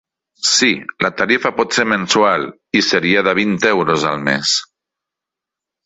Sí, la tarifa pot ser mensual, i seria de vint euros al mes.